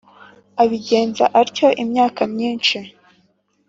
abigenza atyo imyaka myinshi,